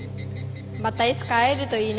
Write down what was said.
またいつか会えるといいね。